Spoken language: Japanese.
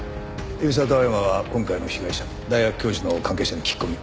海老沢と青山は今回の被害者大学教授の関係者に聞き込み。